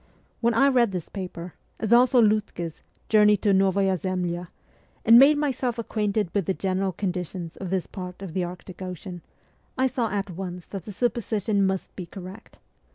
When I read this paper, as also Liitke's ' Journey to Novaya Zemlya,' and made myself ac quainted with the general conditions of this part of the Arctic Ocean, I saw at once that the supposition must be correct.